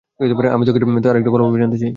আমি তোকে আর একটু ভালোভাবে জানতে চাই।